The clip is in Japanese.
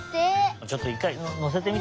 ちょっと１かいのせてみて。